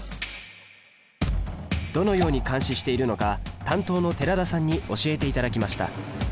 どのように監視しているのか担当の寺田さんに教えていただきました